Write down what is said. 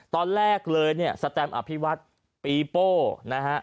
ตอนแรกเลยเนี่ยสแตมอภิวัฒน์ปีโป้นะฮะ